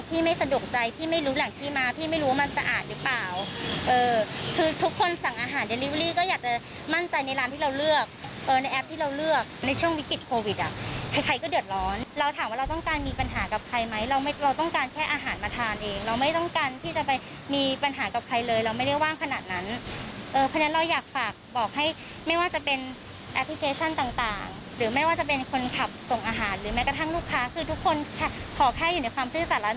พี่ไม่สะดวกใจพี่ไม่รู้แหล่งที่มาพี่ไม่รู้ว่ามันสะอาดหรือเปล่าเออคือทุกคนสั่งอาหารเดลิเวอรี่ก็อยากจะมั่นใจในร้านที่เราเลือกเออในแอปที่เราเลือกในช่วงวิกฤตโควิดอ่ะใครใครก็เดือดร้อนเราถามว่าเราต้องการมีปัญหากับใครไหมเราไม่เราต้องการแค่อาหารมาทานเองเราไม่ต้องการที่จะไปมีปัญหากับใครเลยเราไม่ได้ว่างขนาด